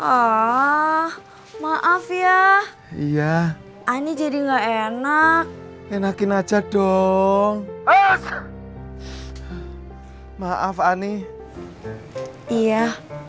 ah maaf ya iya ani jadi enggak enak enakin aja dong maaf aneh iya